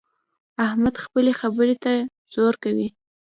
احمد خپلې خبرې ته زور کوي.